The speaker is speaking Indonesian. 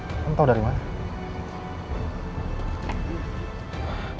kamu tahu dari mana